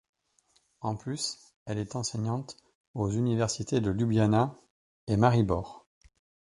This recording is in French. En plus elle est enseignante aux Universités de Ljubljana et Maribor.